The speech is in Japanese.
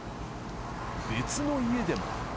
別の家でも。